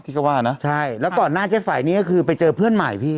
ที่เขาว่านะใช่แล้วก่อนหน้าเจ๊ไฝนี่ก็คือไปเจอเพื่อนใหม่พี่